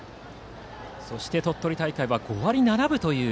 そして鳥取大会で５割７分という